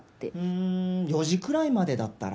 ん４時くらいまでだったら。